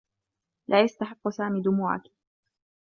لا يستحقّ سامي دموعكِ.